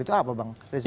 itu apa bang rizie